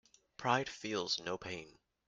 Pride feels no pain.